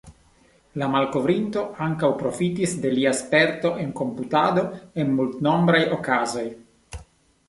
La malkovrinto ankaŭ profitis de lia sperto en komputado en multnombraj okazoj.